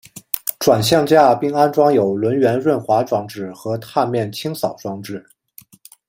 转向架并安装有轮缘润滑装置和踏面清扫装置。